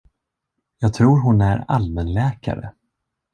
Jag tror hon är allmänläkare.